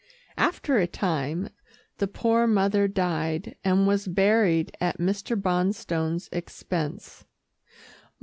After a time, the poor mother died, and was buried at Mr. Bonstone's expense.